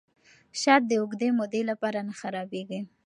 شات د اوږدې مودې لپاره نه خرابیږي.